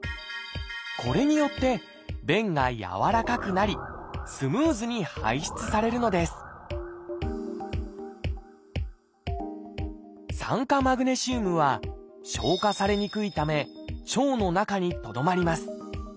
これによって便が軟らかくなりスムーズに排出されるのです「酸化マグネシウム」は消化されにくいため腸の中にとどまります。